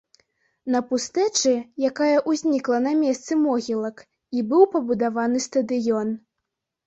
На пустэчы, якая ўзнікла на месцы могілак, і быў пабудаваны стадыён.